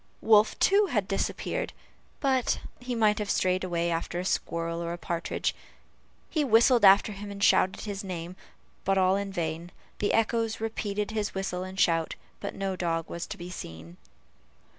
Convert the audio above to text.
Wolf, too, had disappeared, but he might have strayed away after a squirrel or partridge. He whistled after him and shouted his name, but all in vain; the echoes repeated his whistle and shout, but no dog was to be seen.